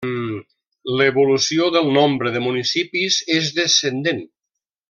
L'evolució del nombre de municipis és descendent.